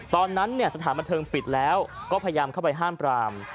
ตอนนั้นสถานบันเทิงปิดแล้วก็พยายามเข้าไปห้ามปราม